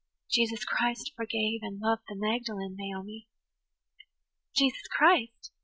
"Jesus Christ forgave and loved the Magdalen, Naomi." "Jesus Christ?